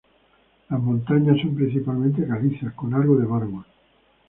Las montañas son principalmente caliza, con algo de mármol.